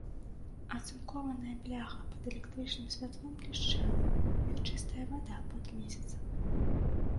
Ацынкованая бляха пад электрычным святлом блішчэла, як чыстая вада пад месяцам.